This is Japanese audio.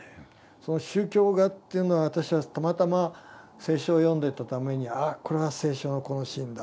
その宗教画というのは私はたまたま聖書を読んでいたためにあっこれは聖書のこのシーンだ